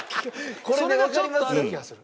それがちょっとある気がする。